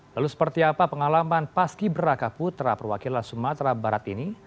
lalu seperti apa pengalaman paski beraka putra perwakilan sumatera barat ini